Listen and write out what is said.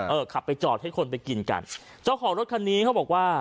ขับไปจอดให้คนไปกินกันเจ้าของรถคันนี้เขาบอกว่า